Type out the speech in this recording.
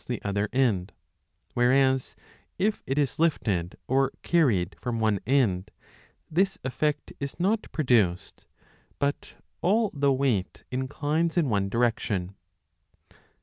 CHAPTER 26 857* the other end ; whereas if it is lifted or carried from one end, this effect is not produced, but all the weight inclines in one direction.